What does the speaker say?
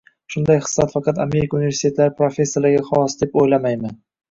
Bunday xislat faqat Amerika universitetlari professorlariga xos, deb o‘ylamayman